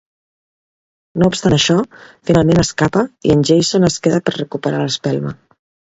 No obstant això, finalment escapa i en Jason es queda per recuperar l'espelma.